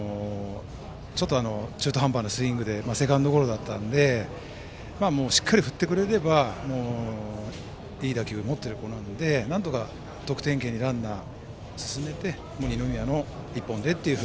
ちょっと中途半端なスイングでセカンドゴロだったのでもうしっかり振ってくれればいい打球を持っている子なのでなんとか得点圏にランナーを進めて二宮の一本でと。